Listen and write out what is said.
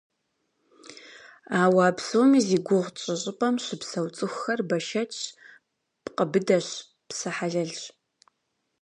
Ауэ а псоми зи гугъу тщӏы щӏыпӏэм щыпсэу цӏыхухэр бэшэчщ, пкъы быдэщ, псэ хьэлэлщ.